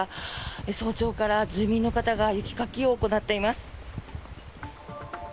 早朝から住民の方が雪かきを行っています。